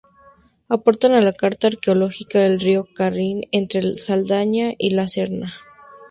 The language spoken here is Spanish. Aportación a la Carta Arqueológica del Río Carrión entre Saldaña y La Serna.